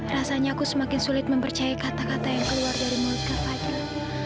rasanya aku semakin sulit mempercayai kata kata yang keluar dari mulut kakakku